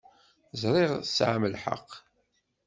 Ẓṛiɣ tesɛam lḥeq.